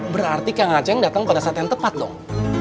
berarti kang aceh datang pada saat yang tepat dong